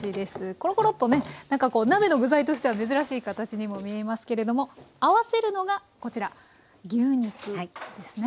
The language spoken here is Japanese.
コロコロッとねなんかこう鍋の具材としては珍しい形にも見えますけれども合わせるのがこちら牛肉ですね。